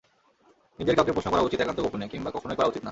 নিজের কাজকে প্রশ্ন করা উচিত একান্ত গোপনে, কিংবা কখনোই করা উচিত না।